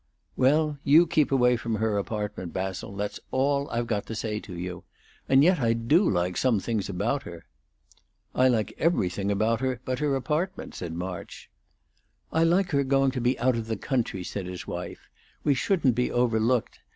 "Well, you keep away from her apartment, Basil; that's all I've got to say to you. And yet I do like some things about her." "I like everything about her but her apartment," said March. "I like her going to be out of the country," said his wife. "We shouldn't be overlooked.